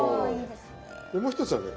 でもう一つはね